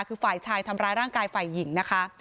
คือฝ่ายชายทำร้ายร่างกายฝ่ายหญิงนะคะ